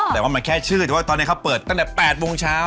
แต่ว่ามันแค่ชื่อแต่ว่าตอนนี้เขาเปิดตั้งแต่๘โมงเช้า